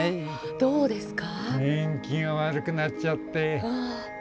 どうですか？